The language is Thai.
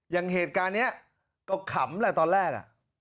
อย่างเหตุการณ์นี้ก็ขำแหละตอนแรก